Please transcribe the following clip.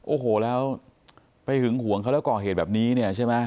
โอ้โหแล้วไปหึงห่วงเขาแล้วก่อเหตุแบบนี้เนี่ยใช่ไหม